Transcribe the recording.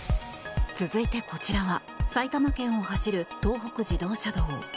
続いてこちらは埼玉県を走る東北自動車道。